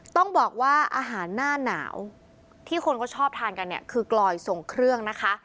ต้องบอกว่าอาหารหน้าหนาวที่คนก็ชอบทานกันเนี่ยคือกลอยส่งเครื่องนะคะ